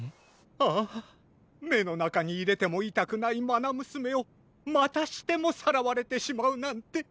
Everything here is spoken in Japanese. ああめのなかにいれてもいたくないまなむすめをまたしてもさらわれてしまうなんて。